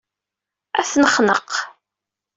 Ad t-nexneq.